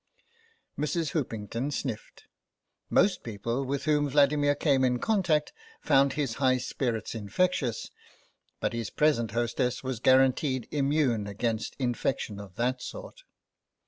Mrs. Hoopington sniffed. Most people with whom Vladimir came in contact found his high spirits infectious, but his present hostess was guaranteed immune against in fection of that sort.